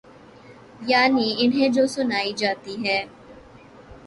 یعنی انہیں جو سنائی جاتی ہے۔